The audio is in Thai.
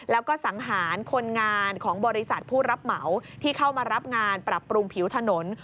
แล้วก็สังหารคนงานของบริษัทผู้รับเหมาที่เข้ามารับงานปรับปรุงผิวถนน